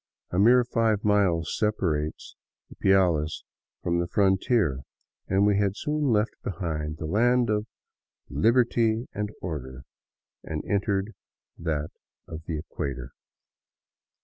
A mere five miles separates Ipiales from the frontier, and we had soon left behind the land of " Liberty and Order " and entered that of the equator.